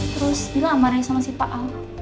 terus bilang amarnya sama si pak al